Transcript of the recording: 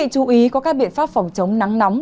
chú ý có các biện pháp phòng chống nắng nóng